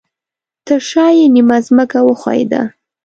ترشاه یې نیمه ځمکه وښویده